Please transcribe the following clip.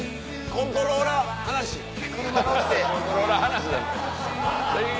コントローラー離しなんて。